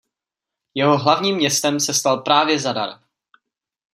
Jeho hlavním městem se stal právě Zadar.